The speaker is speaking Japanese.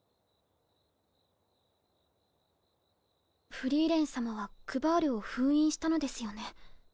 フリーレン様はクヴァールを封印したのですよね？